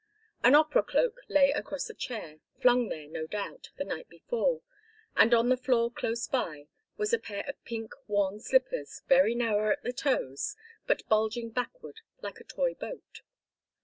An opera cloak lay across a chair, flung there, no doubt, the night before, and on the floor close by was a pair of pink worn slippers very narrow at the toes but bulging backward like a toy boat.